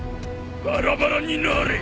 バラバラになれ！